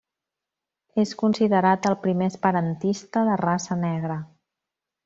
És considerat el primer esperantista de raça negra.